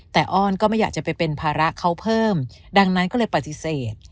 แต่อ้อนก็ไม่อยากจะไปเป็นภาระเขาเพิ่มดังนั้นก็เลยปฏิเสธ